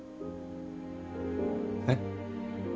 えっ？